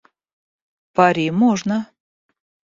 Пари можно.